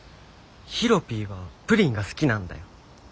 ヒロピーはプリンが好きなんだよ。